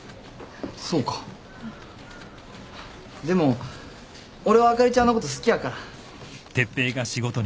でも俺はあかりちゃんのこと好きやから。